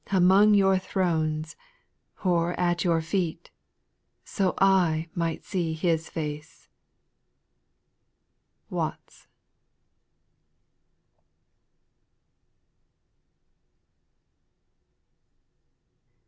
Among your thrones, or at your feet, So I might see His face. WATTS.